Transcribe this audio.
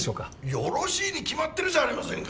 よろしいに決まってるじゃありませんか！